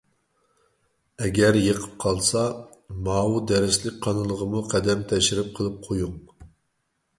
ئەگەر يېقىپ قالسا، ماۋۇ دەرسلىك قانىلىغىمۇ قەدەم تەشرىپ قىلىپ قويۇڭ.